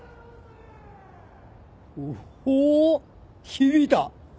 響いた。